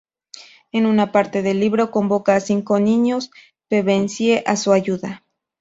En una parte del libro convoca a los niños Pevensie a su ayuda.